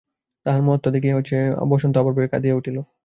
তাহার মত্ততা দেখিয়া বসন্ত আবার ভয়ে কাঁদিয়া উঠিল।